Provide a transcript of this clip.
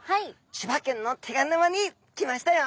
千葉県の手賀沼に来ましたよ！